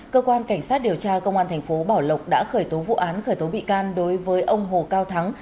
cơ quan cảnh sát điều tra công an thành phố bảo lộc đã khởi tố vụ án khởi tố bị can đối với ông hồ cao thắng